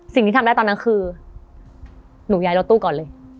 สิ่งที่ทำได้ตอนนั้นคือหนูย้ายรถตู้ก่อนเลย